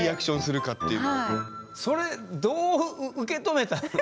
それどう受け止めたの？